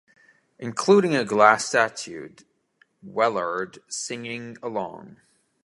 Including a glass statue "Wellard" singing along.